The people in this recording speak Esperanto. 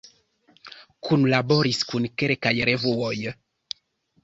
Kunlaboris kun kelkaj revuoj.